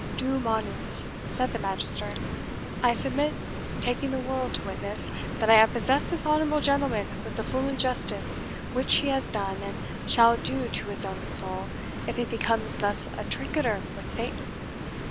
"DO MANUS," said the Magister, "I submit taking the world to witness, that I have possessed this honourable gentleman with the full injustice which he has done and shall do to his own soul, if he becomes thus a trinketer with Satan.